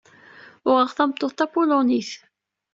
Uɣeɣ tameṭṭut tapulunit.